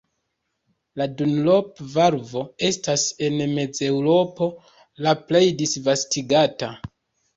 La "Dunlop-valvo" estas en Mezeŭropo la plej disvastigata.